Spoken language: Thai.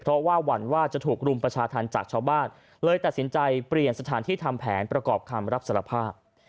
เพราะว่าหวั่นว่าจะถูกรุมประชาธรรมจากชาวบ้านเลยตัดสินใจเปลี่ยนสถานที่ทำแผนประกอบคำรับสารภาพ